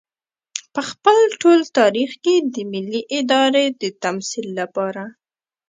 په خپل ټول تاريخ کې د ملي ارادې د تمثيل لپاره.